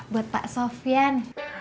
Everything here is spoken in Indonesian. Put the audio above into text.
buat pak sofian